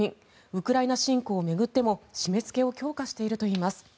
ウクライナ侵攻を巡っても締めつけを強化しているといいます。